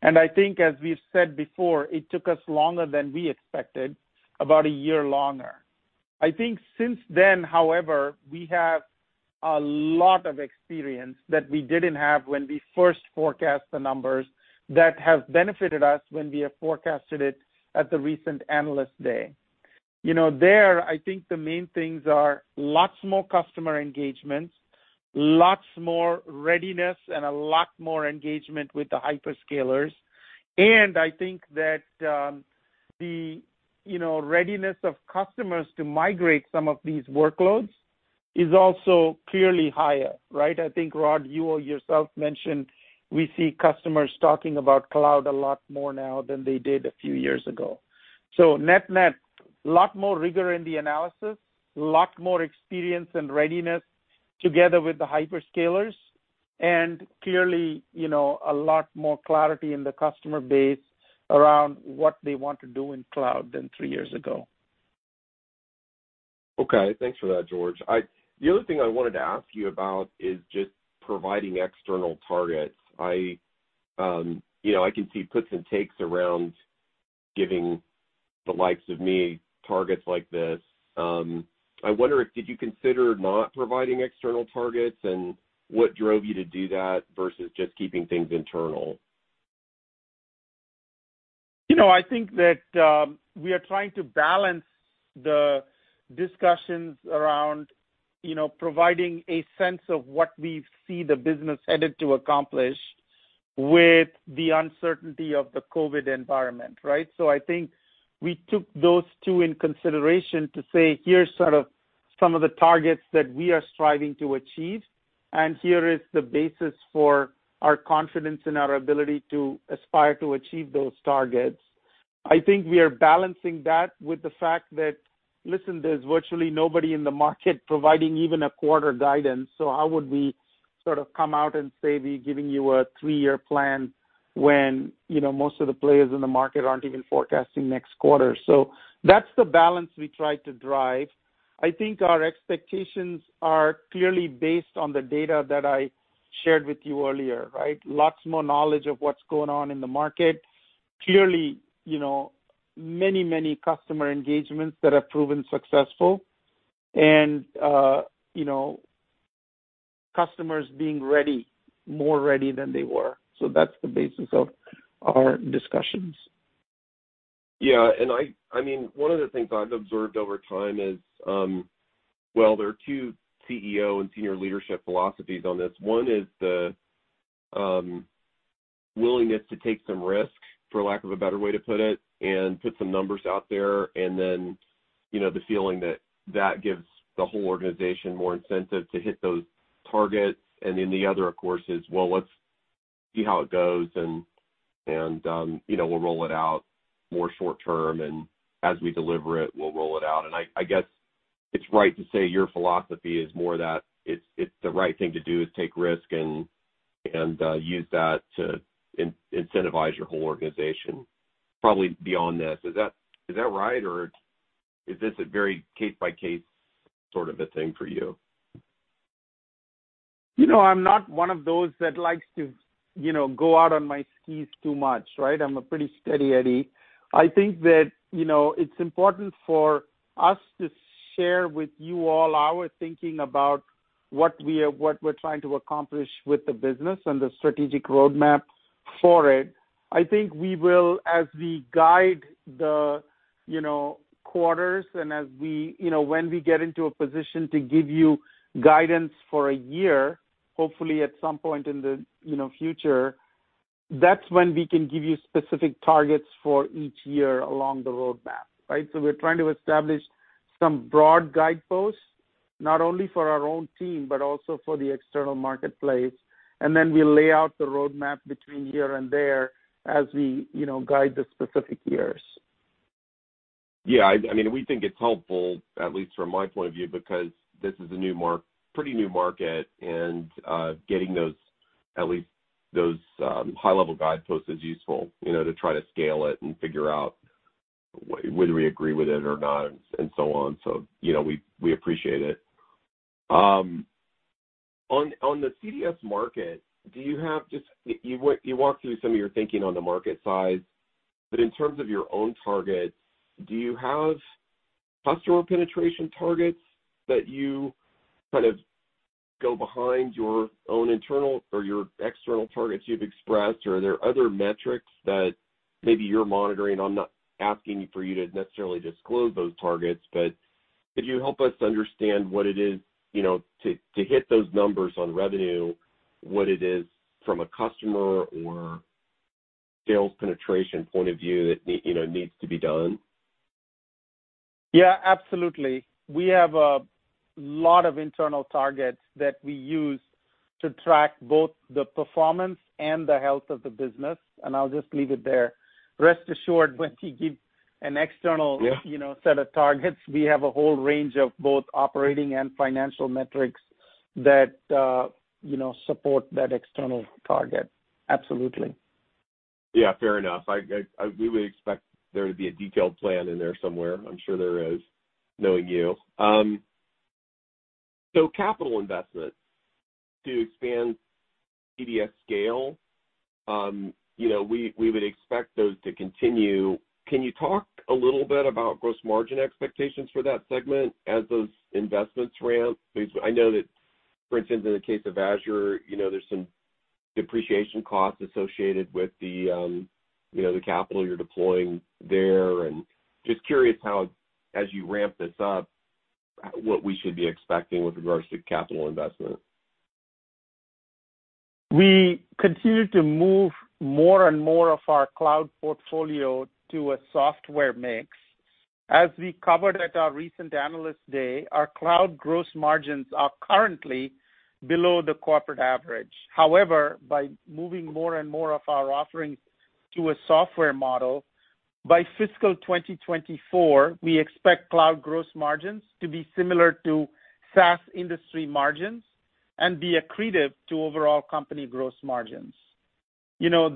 I think, as we've said before, it took us longer than we expected, about a year longer. I think since then, however, we have a lot of experience that we did not have when we first forecast the numbers that have benefited us when we have forecasted it at the recent analyst day. You know, there, I think the main things are lots more customer engagements, lots more readiness, and a lot more engagement with the hyperscalers. I think that, you know, readiness of customers to migrate some of these workloads is also clearly higher, right? I think, Rod, you yourself mentioned we see customers talking about cloud a lot more now than they did a few years ago. NetNet, a lot more rigor in the analysis, a lot more experience and readiness together with the hyperscalers, and clearly, you know, a lot more clarity in the customer base around what they want to do in cloud than three years ago. Okay. Thanks for that, George. The other thing I wanted to ask you about is just providing external targets. I, you know, I can see puts and takes around giving the likes of me targets like this. I wonder if did you consider not providing external targets and what drove you to do that versus just keeping things internal? You know, I think that we are trying to balance the discussions around, you know, providing a sense of what we see the business headed to accomplish with the uncertainty of the COVID environment, right? I think we took those two in consideration to say, "Here's sort of some of the targets that we are striving to achieve, and here is the basis for our confidence in our ability to aspire to achieve those targets." I think we are balancing that with the fact that, "Listen, there's virtually nobody in the market providing even a quarter guidance, so how would we sort of come out and say we're giving you a three-year plan when, you know, most of the players in the market aren't even forecasting next quarter?" That's the balance we tried to drive. I think our expectations are clearly based on the data that I shared with you earlier, right? Lots more knowledge of what's going on in the market, clearly, you know, many, many customer engagements that have proven successful, and, you know, customers being ready, more ready than they were. That is the basis of our discussions. Yeah. I mean, one of the things I've observed over time is, well, there are two CEO and senior leadership philosophies on this. One is the willingness to take some risk, for lack of a better way to put it, and put some numbers out there, and then, you know, the feeling that that gives the whole organization more incentive to hit those targets. The other, of course, is, "Let's see how it goes, and, you know, we'll roll it out more short term, and as we deliver it, we'll roll it out." I guess it's right to say your philosophy is more that it's the right thing to do is take risk and use that to incentivize your whole organization, probably beyond this. Is that right, or is this a very case-by-case sort of a thing for you? You know, I'm not one of those that likes to, you know, go out on my skis too much, right? I'm a pretty steady Eddie. I think that, you know, it's important for us to share with you all our thinking about what we are, what we're trying to accomplish with the business and the strategic roadmap for it. I think we will, as we guide the, you know, quarters and as we, you know, when we get into a position to give you guidance for a year, hopefully at some point in the, you know, future, that's when we can give you specific targets for each year along the roadmap, right? We are trying to establish some broad guideposts, not only for our own team but also for the external marketplace. We will lay out the roadmap between here and there as we, you know, guide the specific years. Yeah. I mean, we think it's helpful, at least from my point of view, because this is a pretty new market, and getting those, at least those, high-level guideposts is useful, you know, to try to scale it and figure out whether we agree with it or not and, and so on. You know, we appreciate it. On the CDS market, do you have just you went you walked through some of your thinking on the market size, but in terms of your own targets, do you have customer penetration targets that you kind of go behind your own internal or your external targets you've expressed, or are there other metrics that maybe you're monitoring? I'm not asking you to necessarily disclose those targets, but could you help us understand what it is, you know, to hit those numbers on revenue, what it is from a customer or sales penetration point of view that, you know, needs to be done? Yeah, absolutely. We have a lot of internal targets that we use to track both the performance and the health of the business, and I'll just leave it there. Rest assured, when we give an external. Yeah. You know, set of targets, we have a whole range of both operating and financial metrics that, you know, support that external target. Absolutely. Yeah, fair enough. I, I, I, we would expect there to be a detailed plan in there somewhere. I'm sure there is, knowing you. Capital investment to expand CDS scale, you know, we would expect those to continue. Can you talk a little bit about gross margin expectations for that segment as those investments ramp? Because I know that, for instance, in the case of Azure, you know, there's some depreciation costs associated with the, you know, the capital you're deploying there. Just curious how, as you ramp this up, what we should be expecting with regards to capital investment. We continue to move more and more of our cloud portfolio to a software mix. As we covered at our recent analyst day, our cloud gross margins are currently below the corporate average. However, by moving more and more of our offerings to a software model, by fiscal 2024, we expect cloud gross margins to be similar to SaaS industry margins and be accretive to overall company gross margins. You know,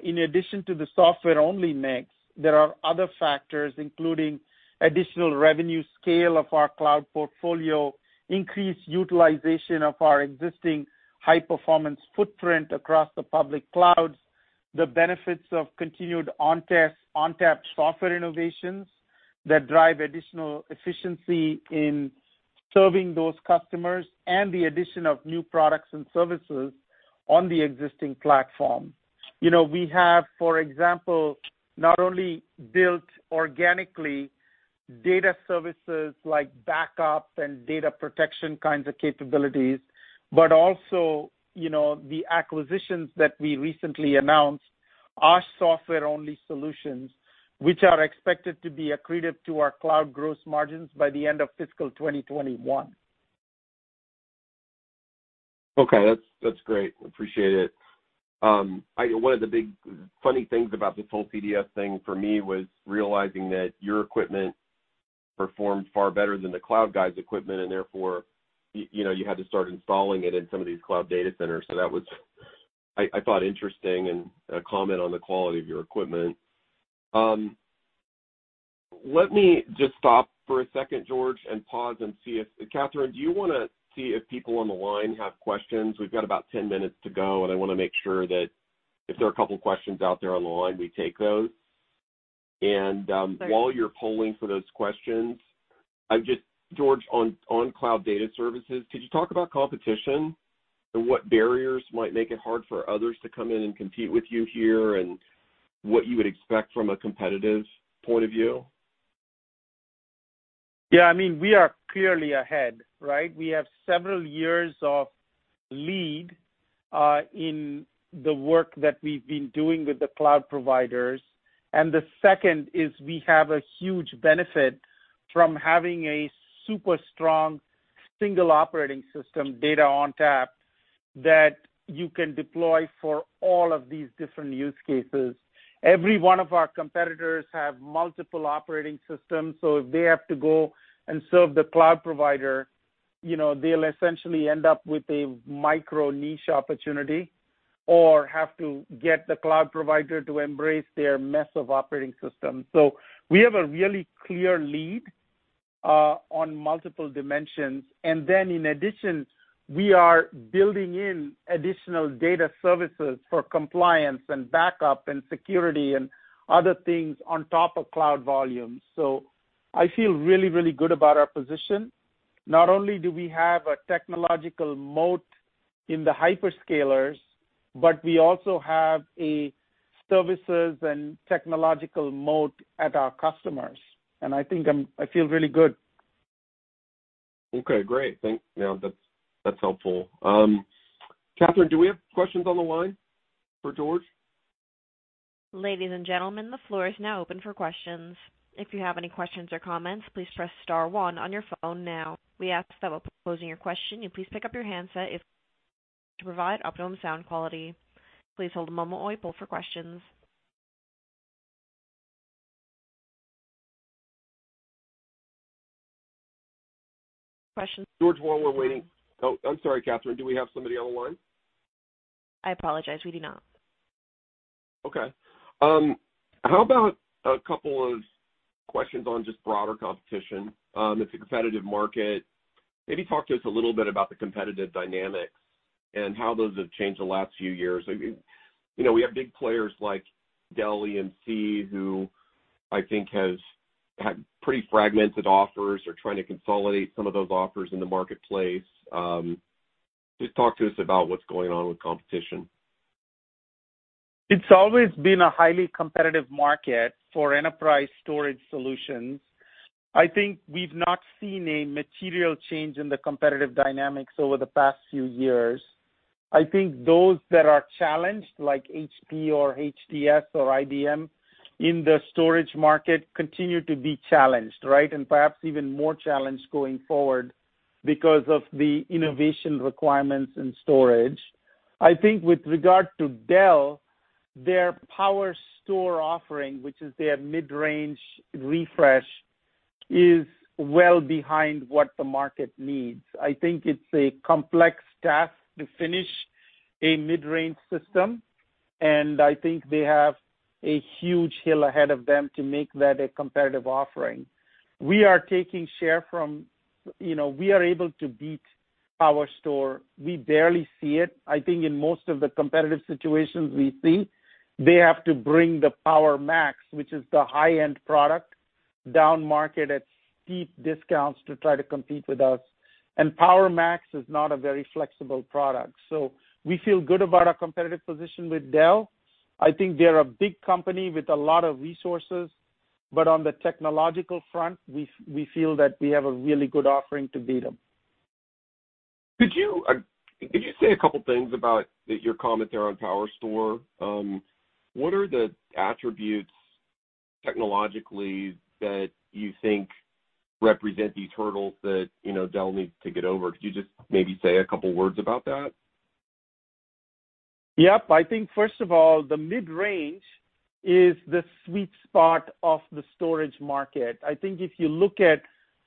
in addition to the software-only mix, there are other factors, including additional revenue scale of our cloud portfolio, increased utilization of our existing high-performance footprint across the public clouds, the benefits of continued ONTAP software innovations that drive additional efficiency in serving those customers, and the addition of new products and services on the existing platform. You know, we have, for example, not only built organically data services like backup and data protection kinds of capabilities, but also, you know, the acquisitions that we recently announced, our software-only solutions, which are expected to be accretive to our cloud gross margins by the end of fiscal 2021. Okay. That's great. Appreciate it. One of the big funny things about this whole CDS thing for me was realizing that your equipment performed far better than the cloud guys' equipment, and therefore, you know, you had to start installing it in some of these cloud data centers. That was, I thought, interesting and a comment on the quality of your equipment. Let me just stop for a second, George, and pause and see if Catherine, do you want to see if people on the line have questions? We've got about 10 minutes to go, and I want to make sure that if there are a couple questions out there on the line, we take those. Certainly. While you're polling for those questions, I've just, George, on cloud data services, could you talk about competition and what barriers might make it hard for others to come in and compete with you here and what you would expect from a competitive point of view? Yeah. I mean, we are clearly ahead, right? We have several years of lead, in the work that we've been doing with the cloud providers. The second is we have a huge benefit from having a super strong single operating system, ONTAP, that you can deploy for all of these different use cases. Every one of our competitors have multiple operating systems, so if they have to go and serve the cloud provider, you know, they'll essentially end up with a micro-niche opportunity or have to get the cloud provider to embrace their mess of operating systems. We have a really clear lead, on multiple dimensions. In addition, we are building in additional data services for compliance and backup and security and other things on top of Cloud Volumes. I feel really, really good about our position. Not only do we have a technological moat in the hyperscalers, but we also have a services and technological moat at our customers. I think I feel really good. Okay. Great. Thank you, that's helpful. Catherine, do we have questions on the line for George? Ladies and gentlemen, the floor is now open for questions. If you have any questions or comments, please press star one on your phone now. We ask that while proposing your question, you please pick up your handset to provide optimum sound quality. Please hold a moment while we poll for questions. Questions. George, while we're waiting, oh, I'm sorry, Catherine. Do we have somebody on the line? I apologize. We do not. Okay. How about a couple of questions on just broader competition? It's a competitive market. Maybe talk to us a little bit about the competitive dynamics and how those have changed the last few years. I mean, you know, we have big players like Dell EMC who I think have had pretty fragmented offers or are trying to consolidate some of those offers in the marketplace. Just talk to us about what's going on with competition. It's always been a highly competitive market for enterprise storage solutions. I think we've not seen a material change in the competitive dynamics over the past few years. I think those that are challenged, like HP or HDS or IBM in the storage market, continue to be challenged, right, and perhaps even more challenged going forward because of the innovation requirements in storage. I think with regard to Dell, their PowerStore offering, which is their mid-range refresh, is well behind what the market needs. I think it's a complex task to finish a mid-range system, and I think they have a huge hill ahead of them to make that a competitive offering. We are taking share from, you know, we are able to beat PowerStore. We barely see it. I think in most of the competitive situations we see, they have to bring the PowerMax, which is the high-end product, down market at steep discounts to try to compete with us. PowerMax is not a very flexible product. We feel good about our competitive position with Dell. I think they're a big company with a lot of resources, but on the technological front, we feel that we have a really good offering to beat them. Could you, could you say a couple things about your comment there on PowerStore? What are the attributes technologically that you think represent these hurdles that, you know, Dell needs to get over? Could you just maybe say a couple words about that? Yep. I think, first of all, the mid-range is the sweet spot of the storage market. I think if you look at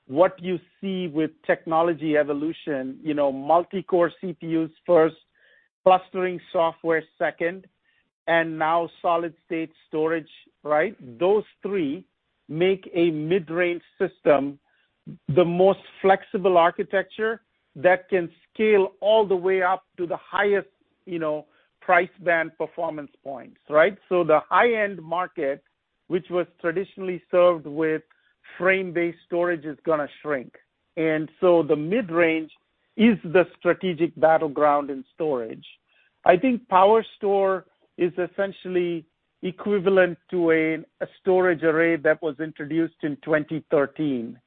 what you see with technology evolution, you know, multi-core CPUs first, clustering software second, and now solid-state storage, right? Those three make a mid-range system the most flexible architecture that can scale all the way up to the highest, you know, price band performance points, right? The high-end market, which was traditionally served with frame-based storage, is gonna shrink. The mid-range is the strategic battleground in storage. I think PowerStore is essentially equivalent to a storage array that was introduced in 2013.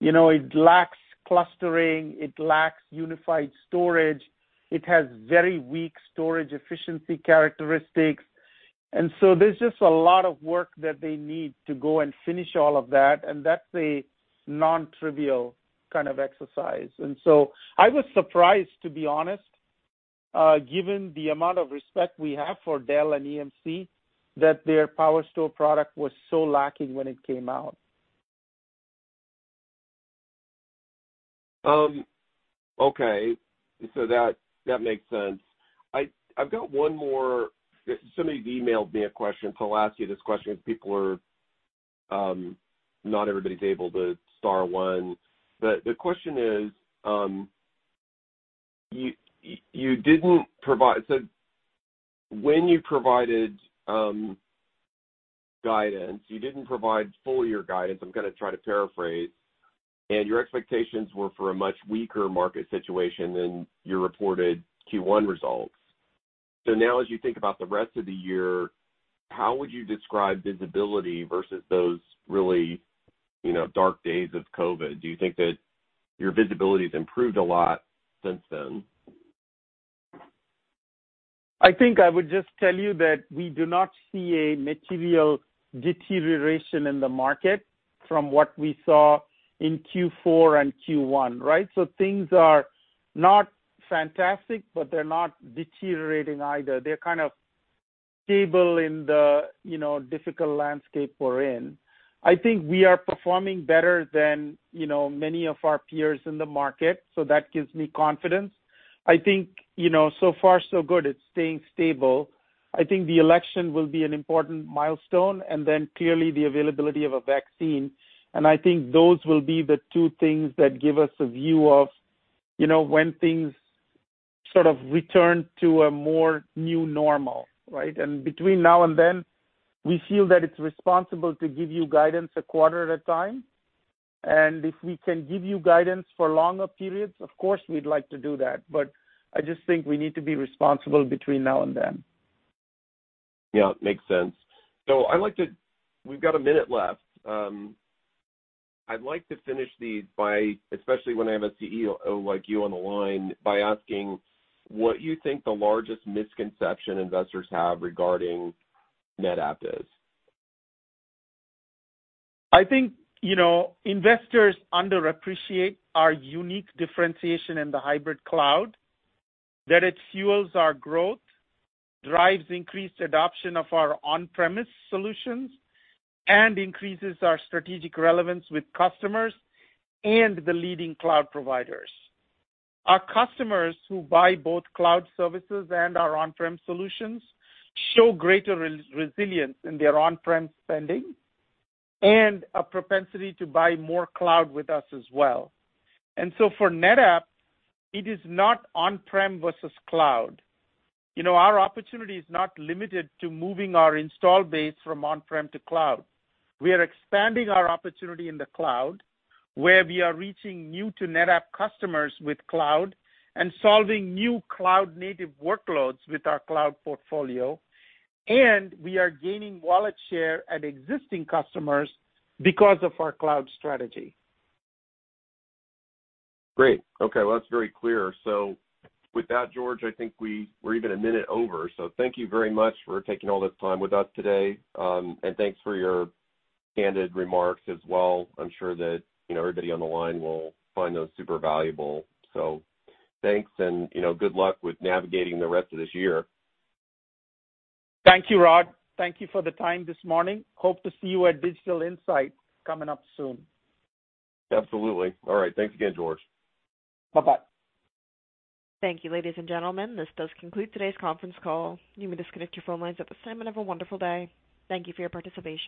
You know, it lacks clustering. It lacks unified storage. It has very weak storage efficiency characteristics. There is just a lot of work that they need to go and finish all of that, and that's a non-trivial kind of exercise. I was surprised, to be honest, given the amount of respect we have for Dell and EMC that their PowerStore product was so lacking when it came out. Okay. So that makes sense. I've got one more, somebody's emailed me a question, so I'll ask you this question 'cause people are, not everybody's able to star one. The question is, you didn't provide, so when you provided guidance, you didn't provide full-year guidance. I'm gonna try to paraphrase. Your expectations were for a much weaker market situation than your reported Q1 results. Now, as you think about the rest of the year, how would you describe visibility versus those really, you know, dark days of COVID? Do you think that your visibility's improved a lot since then? I think I would just tell you that we do not see a material deterioration in the market from what we saw in Q4 and Q1, right? Things are not fantastic, but they are not deteriorating either. They are kind of stable in the, you know, difficult landscape we are in. I think we are performing better than, you know, many of our peers in the market, so that gives me confidence. I think, you know, so far, so good. It is staying stable. I think the election will be an important milestone, and then clearly the availability of a vaccine. I think those will be the two things that give us a view of, you know, when things sort of return to a more new normal, right? Between now and then, we feel that it is responsible to give you guidance a quarter at a time. If we can give you guidance for longer periods, of course, we'd like to do that. I just think we need to be responsible between now and then. Yeah, makes sense. I'd like to, we've got a minute left. I'd like to finish these by, especially when I have a CEO like you on the line, by asking what you think the largest misconception investors have regarding NetApp is. I think, you know, investors underappreciate our unique differentiation in the hybrid cloud, that it fuels our growth, drives increased adoption of our on-premise solutions, and increases our strategic relevance with customers and the leading cloud providers. Our customers who buy both cloud services and our on-prem solutions show greater resilience in their on-prem spending and a propensity to buy more cloud with us as well. For NetApp, it is not on-prem versus cloud. You know, our opportunity is not limited to moving our install base from on-prem to cloud. We are expanding our opportunity in the cloud, where we are reaching new-to-NetApp customers with cloud and solving new cloud-native workloads with our cloud portfolio. We are gaining wallet share at existing customers because of our cloud strategy. Great. Okay. That is very clear. With that, George, I think we are even a minute over. Thank you very much for taking all this time with us today, and thanks for your candid remarks as well. I am sure that, you know, everybody on the line will find those super valuable. Thanks, and, you know, good luck with navigating the rest of this year. Thank you, Rod. Thank you for the time this morning. Hope to see you at Digital Insight coming up soon. Absolutely. All right. Thanks again, George. Bye-bye. Thank you, ladies and gentlemen. This does conclude today's conference call. You may disconnect your phone lines at this time and have a wonderful day. Thank you for your participation.